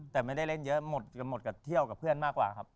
แต่ไม่ได้เล่นเยอะหมดกับเที่ยวกับเพื่อนมากกว่าครับ